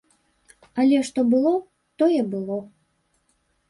Але што было, тое было.